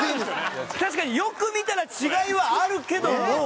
確かによく見たら違いはあるけども。